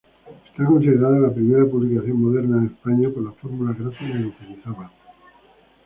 Es considerada la primera publicación moderna en España por la fórmula gráfica que utilizaban.